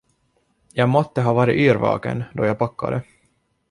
Jag måtte ha varit yrvaken, då jag packade.